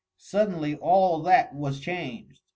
Suddenly all that was changed.